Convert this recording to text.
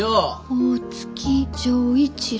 大月錠一郎。